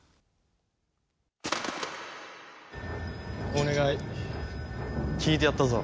お願い聞いてやったぞ。